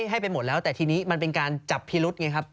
ให้ไปหมดแล้วแต่ทีนี้มันเป็นการจับพิรุษไงครับ